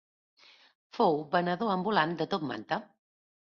Fou venedor ambulant de top manta.